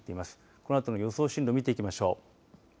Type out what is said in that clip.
このあとの予想進路、見ていきましょう。